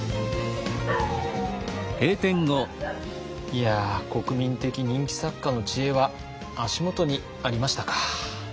いや国民的人気作家の知恵は足元にありましたか。